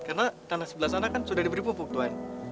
karena tanah sebelah sana kan sudah diberi pupuk tuhan